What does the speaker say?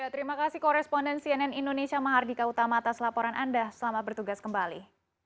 terima kasih koresponden cnn indonesia mahardika utama atas laporan anda selamat bertugas kembali